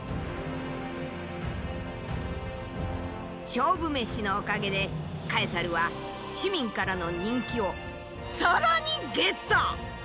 勝負メシのおかげでカエサルは市民からの人気を更にゲット！